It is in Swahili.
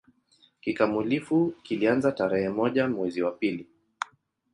Kikamilifu kilianza tarehe moja mwezi wa pili